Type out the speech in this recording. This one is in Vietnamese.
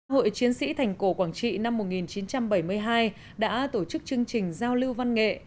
hội chiến sĩ thành cổ quảng trị năm một nghìn chín trăm bảy mươi hai đã tổ chức chương trình giao lưu văn nghệ